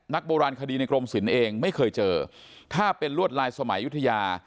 โบราณคดีในกรมศิลป์เองไม่เคยเจอถ้าเป็นลวดลายสมัยยุธยา